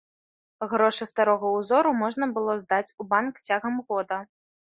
Грошы старога ўзору можна было здаць у банк цягам года.